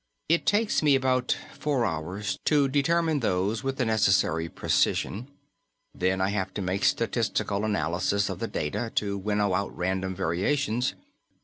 It takes me about four hours to determine those with the necessary precision; then I have to make statistical analyses of the data, to winnow out random variations.